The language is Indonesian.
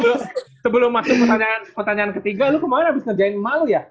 eh tapi ini sebelum masuk pertanyaan ketiga lu kemarin abis ngerjain emak lu ya